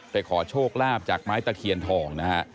ขอโชคลาภจากไม้ตะเคียนทองนะฮะ